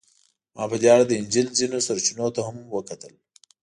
ما په دې اړه د انجیل ځینو سرچینو ته هم وکتل.